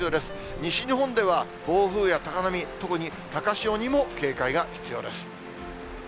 西日本では暴風や高波、特に高潮にも警戒が必要です。